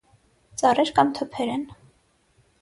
Ծառեր կամ թփեր են։